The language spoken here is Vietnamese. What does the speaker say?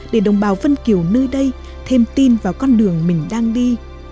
để đồng bào vân kiều nơi đây thêm tin vào con đường mình đang đi